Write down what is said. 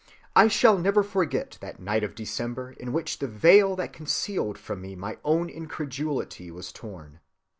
"I shall never forget that night of December," writes Jouffroy, "in which the veil that concealed from me my own incredulity was torn.